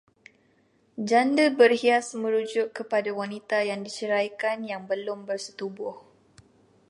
Janda berhias merujuk kepada wanita yang diceraikan yang belum bersetubuh